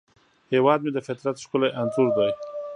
هیواد مې د فطرت ښکلی انځور دی